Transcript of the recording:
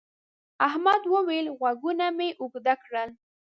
احمد وويل: غوږونه مې اوږده کړل.